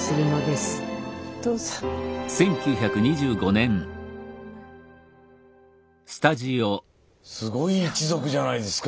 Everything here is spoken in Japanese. すごい一族じゃないですか。